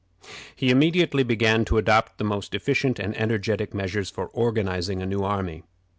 He immediately began to adopt the most efficient and energetic measures for organizing a new army.